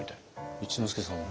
一之輔さんは？